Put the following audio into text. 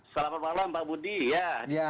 selamat malam pak budi